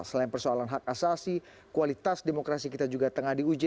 selain persoalan hak asasi kualitas demokrasi kita juga tengah diuji